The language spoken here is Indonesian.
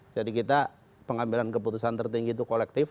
jadi kita pengambilan keputusan tertinggi itu kolektif